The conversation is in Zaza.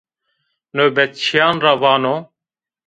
Nobetçîyan ra vano